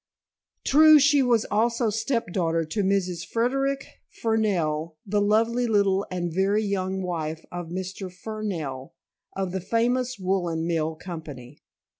True, she was also step daughter to Mrs. Frederic Fernell, the lovely little and very young wife of Mr. Fernell of the famous woolen mill company.